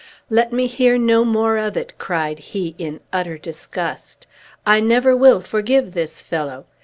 "Let me hear no more of it!" cried he, in utter disgust. "I never will forgive this fellow!